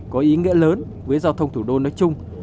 có ý nghĩa lớn với giao thông thủ đô nói chung